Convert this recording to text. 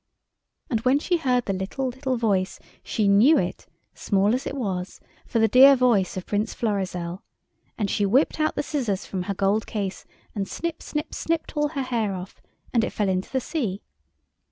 And when she heard the little, little voice, she knew it, small as it was, for the dear voice of Prince Florizel, and she whipped out the scissors from her gold case and snip, snip, snipped all her hair off, and it fell into the sea.